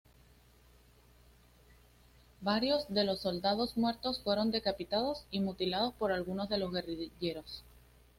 Varios de los soldados muertos fueron decapitados y mutilados por algunos de los guerrilleros.